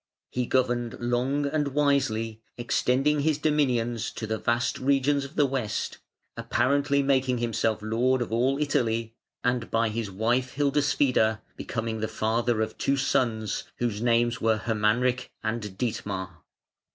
He governed long and wisely, extending his dominions to the vast regions of the West (apparently making himself lord of all Italy), and by his wife Hildeswide becoming the father of two sons, whose names were Hermanric and Dietmar.